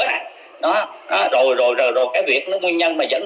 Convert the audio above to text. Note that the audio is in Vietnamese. rồi cái việc nguyên nhân mà dẫn đến cái tình trạng mà rừng chúng ta chặt phá nữa